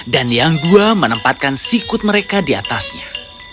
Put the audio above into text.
dan yang dua menempatkan sikut mereka di atasnya